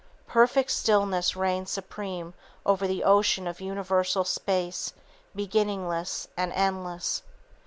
Perfect stillness reigns supreme over the ocean of universal space, beginningless and endless.